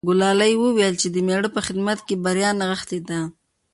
ګلالۍ وویل چې د مېړه په خدمت کې بریا نغښتې ده.